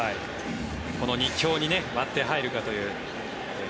この２強に割って入るかという。